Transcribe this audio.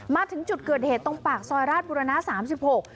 มาถึงจุดเกิดเหตุตรงปากซอยราชบุรณะสามสิบหก